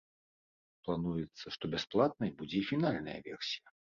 Плануецца, што бясплатнай будзе і фінальная версія.